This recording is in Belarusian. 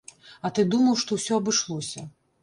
А ты думаў, што ўсё абышлося.